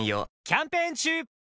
キャンペーン中！